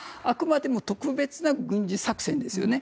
あくまでも特別な軍事作戦です。